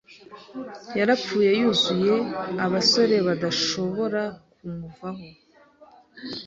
Yarapfuye yuzuye abasore badashobora kumuvaho